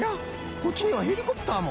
こっちにはヘリコプターも。